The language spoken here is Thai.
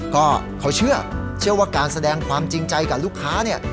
ก็เขาเชื่อว่าการแสดงความจริงใจกับลูกค้าเนี่ย